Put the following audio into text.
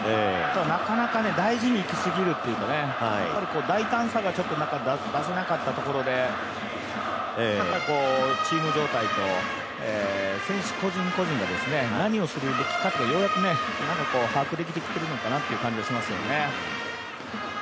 なかなかね、大事にいきすぎるというかね、大胆さがなかなか出せなかったところでやっぱりチーム状態と選手個人個人が何をするべきかというようやく把握してきてるのかなっていう感じがしますよね。